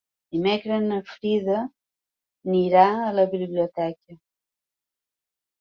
Dimecres na Frida irà a la biblioteca.